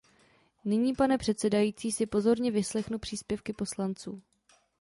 Nyní, paní předsedající, si pozorně vyslechnu příspěvky poslanců.